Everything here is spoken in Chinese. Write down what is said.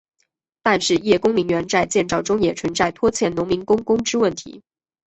但是叶公陵园在建造中也存在拖欠农民工工资问题。